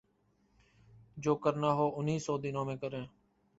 جو کرنا ہو انہی سو دنوں میں کریں۔